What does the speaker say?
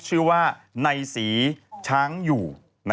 ชื่อว่าในศรีช้างอยู่